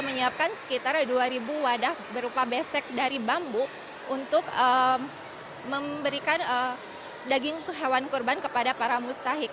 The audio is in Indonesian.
menyiapkan sekitar dua wadah berupa besek dari bambu untuk memberikan daging hewan kurban kepada para mustahik